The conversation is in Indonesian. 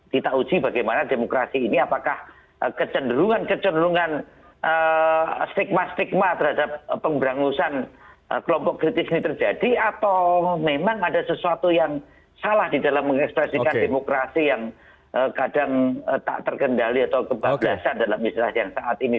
kita uji bagaimana demokrasi ini apakah kecenderungan kecenderungan stigma stigma terhadap pemberangusan kelompok kritis ini terjadi atau memang ada sesuatu yang salah di dalam mengekspresikan demokrasi yang kadang tak terkendali atau kebablasan dalam istilah yang saat ini